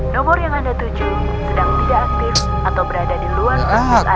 nomor yang anda tuju sedang tidak aktif atau berada di luar